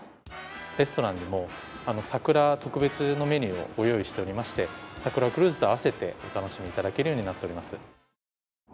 レストランでも桜の特別メニューをご用意しておりましてさくらクルーズと合わせてお楽しみいただけるようになっています。